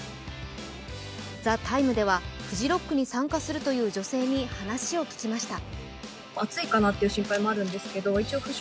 「ＴＨＥＴＩＭＥ，」ではフジロックに参加するという女性に話を聞きました。